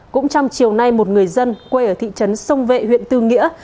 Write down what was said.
cũng trong chiều nay một người dân quê ở thị trấn sông vệ huyện tư nghĩa